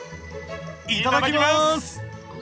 いただきます！